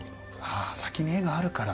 あ先に絵があるから。